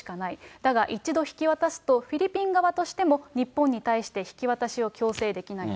だが、一度引き渡すと、フィリピン側としても日本に対して引き渡しを強制できないと。